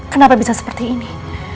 kenapa bisa seperti ini